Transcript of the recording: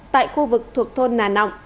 tại khu vực thuộc thôn nà nọng